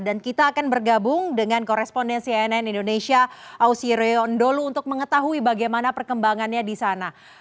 dan kita akan bergabung dengan korespondensi ann indonesia ausi riondolu untuk mengetahui bagaimana perkembangannya di sana